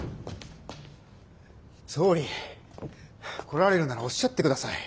来られるならおっしゃってください。